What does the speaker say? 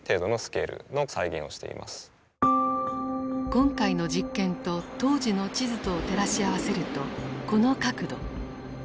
今回の実験と当時の地図とを照らし合わせるとこの角度。